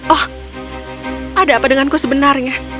oh ada apa denganku sebenarnya